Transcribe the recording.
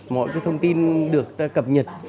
mọi cái thông tin được cập nhật